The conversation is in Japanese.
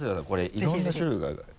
いろんな種類があるから。